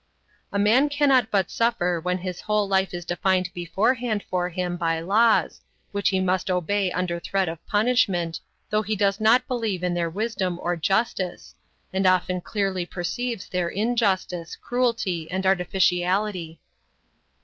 A man cannot but suffer when his whole life is defined beforehand for him by laws, which he must obey under threat of punishment, though he does not believe in their wisdom or justice, and often clearly perceives their injustice, cruelty, and artificiality.